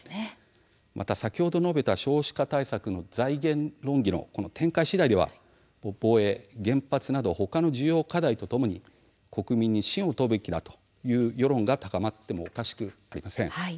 また、先ほど述べた少子化対策の財源論議の展開次第では防衛、原発など他の重要課題とともに国民に信を問うべきだという世論が高まってもおかしくありません。